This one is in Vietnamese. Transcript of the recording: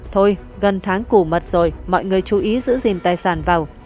thôi gần tháng cổ mật rồi mọi người chú ý giữ gìn tài sản vào